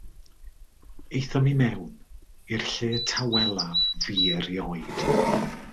Aethom i mewn, i'r lle tawelaf fu erioed.